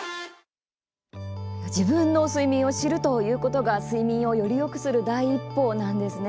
自分の睡眠を知るということが睡眠をよりよくする第一歩なんですね。